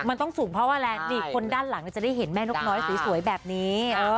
มันต้องสูงเพราะว่าอะไรนี่คนด้านหลังจะได้เห็นแม่นกน้อยสวยแบบนี้